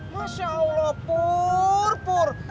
masya allah pur